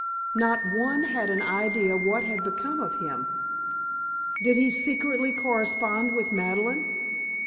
Not one had an idea what had become of him. Did he secretly correspond with Madeleine?